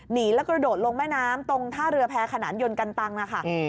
หนีแล้วกระโดดลงแม่น้ำตรงท่าเรือแพรขนานยนต์กันตังนะคะ